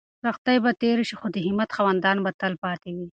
سختۍ به تېرې شي خو د همت خاوندان به تل پاتې وي.